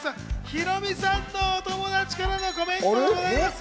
ヒロミさんのお友達からのコメントも届いてます